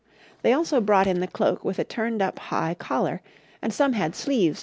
They also brought in the cloak with a turned up high collar; and some had sleeves to their cloaks.